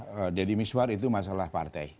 pak deddy miswar itu masalah partai